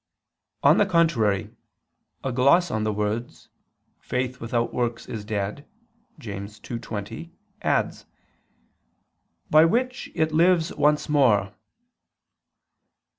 On the contrary, A gloss on the words, "Faith without works is dead" (James 2:20) adds, "by which it lives once more."